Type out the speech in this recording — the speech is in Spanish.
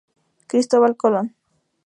Cristóbal Colón".